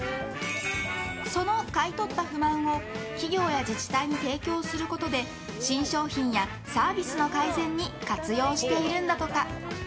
その買い取った不満を企業や自治体に提供することで新商品やサービスの改善に活用しているんだとか。